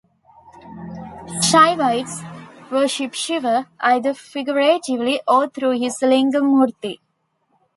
Shaivites worship Shiva, either figuratively, or through his Lingam murti.